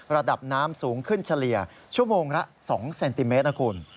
ระดับน้ำสูงขึ้นเฉลี่ยชั่วโมงละ๒เซนติเมตรนะคุณ